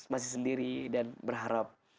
masih sendiri dan berharap